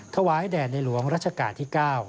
ถวายแด่ในหลวงรัชกาลที่๙